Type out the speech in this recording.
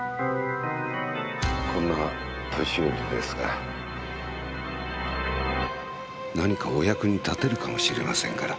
こんな年寄りですが何かお役に立てるかもしれませんから。